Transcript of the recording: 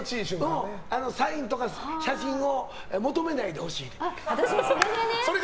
それでサインとか写真を求めないでほしい。